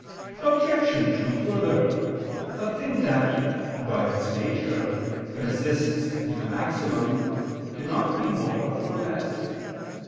Obj. 2: Further, a thing that, by its nature, consists in a maximum, cannot be more or less.